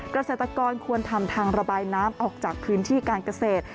เกษตรกรควรทำทางระบายน้ำออกจากพื้นที่การเกษตร